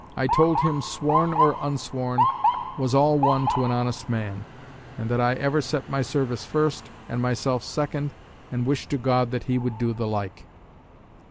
I told him, sworn or unsworn was all one to an honest man; and that I ever set my service first, and myself second; and wished to God that he would do the like.